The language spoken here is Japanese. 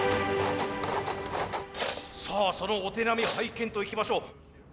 さあそのお手並み拝見といきましょう。